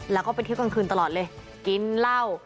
แล้วก็ไปเที่ยวกลางคืนตลอดเลยกินเหล้า